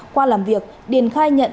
qua làm việc điền khai nhận